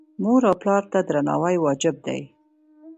مور او پلار ته درناوی واجب دی